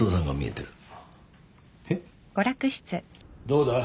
どうだ？